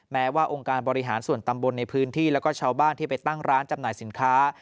แม้ว่าองค์การบริหารส่วนตำบลในพื้นที่แล้วก็ชาวบ้านที่ไปตั้งร้านจำหน่ายสินค้า